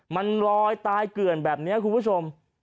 มันลอยตายเกลื่อนแบบนี้คุณผู้ชม